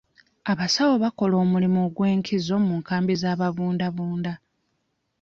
Abasawo bakola omulimu ogw'enkizo mu nkambi z'ababundabunda.